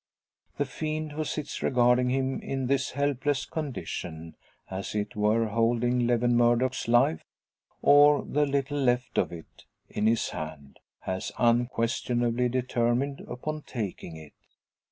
The fiend who sits regarding him in this helpless condition as it were holding Lewin Murdock's life, or the little left of it, in his hand has unquestionably determined upon taking it.